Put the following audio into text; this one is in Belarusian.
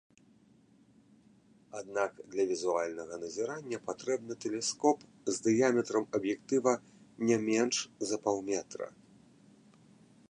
Аднак для візуальнага назірання патрэбны тэлескоп з дыяметрам аб'ектыва не менш за паўметра.